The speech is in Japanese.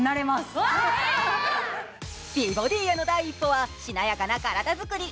美ボディへの第一歩はしなやかな体づくり。